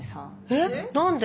えっ何で？